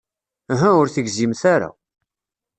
Uhu, ur tegzimt ara.